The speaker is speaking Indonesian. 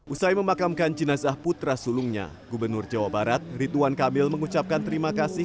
usai memakamkan jenazah putra sulungnya gubernur jawa barat rituan kamil mengucapkan terima kasih